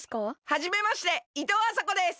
はじめましていとうあさこです。